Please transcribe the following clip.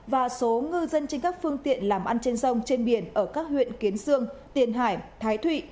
và số ngư dân trên các phương tiện làm ăn trên sông trên biển ở các huyện kiến sương tiền hải thái thụy